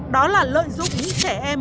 đó là lợi dụng những trẻ em